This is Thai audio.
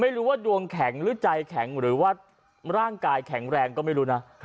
ไม่รู้ว่าดวงแข็งหรือใจแข็งหรือว่าร่างกายแข็งแรงก็ไม่รู้นะ